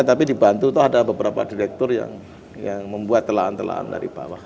tapi dibantu itu ada beberapa direktur yang membuat telahan telahan dari bawah